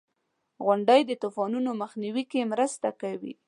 • غونډۍ د طوفانونو مخنیوي کې مرسته کوي.